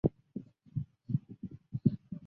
郝氏鼠耳蝠为蝙蝠科鼠耳蝠属的动物。